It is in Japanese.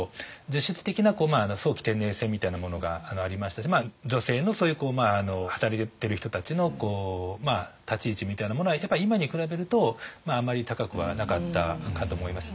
実質的な早期定年制みたいなものがありましたし女性のそういう働いてる人たちの立ち位置みたいなものはやっぱり今に比べるとあんまり高くはなかったかと思います。